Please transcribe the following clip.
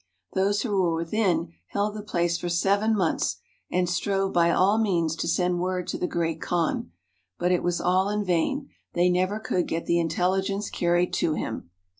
Those who were within held the place for seven months, and strove by all means to send word to the Great Kaan ; but it was all in vain, they never could get the in telligence carried to him.